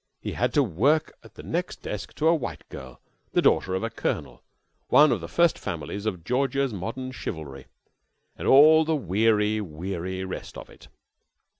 he had to work at the next desk to a white girl, the daughter of a colonel, one of the first families of Georgia's modern chivalry, and all the weary, weary rest of it.